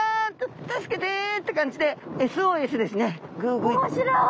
助けて！って感じでＳＯＳですね。